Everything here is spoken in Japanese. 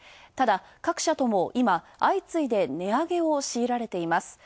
ただ各社とも今、あいついで値上げをしいられています。